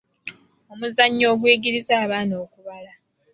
Omuzannyo oguyigiriza abaana okubala.